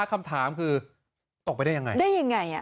คำถามคือตกไปได้ยังไง